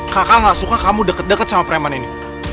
kakak gak suka kamu deket deket sama preman ini